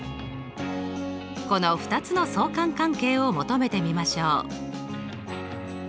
この２つの相関関係を求めてみましょう。